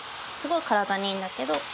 すごい体にいいんだけど。